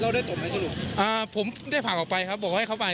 ได้ตบไหมสรุปอ่าผมได้ผลักออกไปครับบอกว่าให้เขาไป